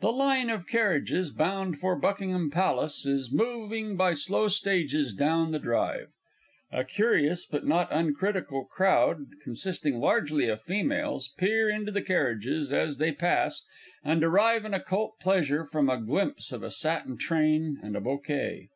_The line of carriages bound for Buckingham Palace is moving by slow stages down the Drive. A curious but not uncritical crowd, consisting largely of females, peer into the carriages as they pass, and derive an occult pleasure from a glimpse of a satin train and a bouquet.